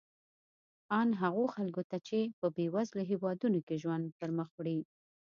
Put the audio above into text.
ان هغو خلکو ته چې په بېوزلو هېوادونو کې ژوند پرمخ وړي.